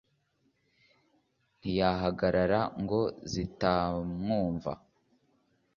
ntiyahagarara ngo zitamwumva